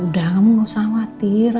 udah kamu gak usah khawatir